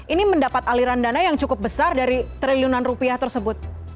ini mendapat aliran dana yang cukup besar dari triliunan rupiah tersebut